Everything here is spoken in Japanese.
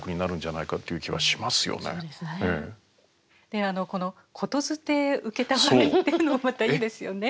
であのこの言づて承りっていうのもまたいいですよね。